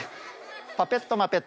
パペットマペット。